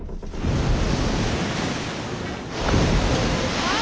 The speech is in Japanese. ああ！